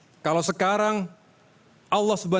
jadi kalau sekarang kata ibu ani